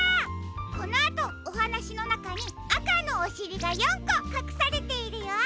このあとおはなしのなかにあかのおしりが４こかくされているよ。